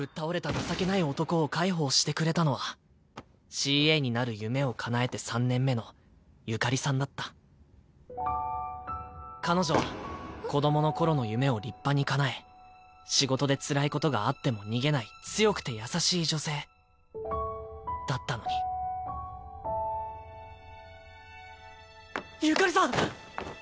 情けない男を介抱してくれたのはＣＡになる夢をかなえて３年目のユカリさんだった彼女は子どもの頃の夢を立派にかなえ仕事でつらいことがあっても逃げない強くて優しい女性だったのにユカリさん！